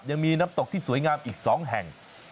ยังมีน้ำตกที่สวยงามอีก๒แห่ง